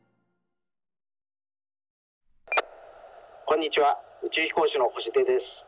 こんにちは宇宙飛行士の星出です。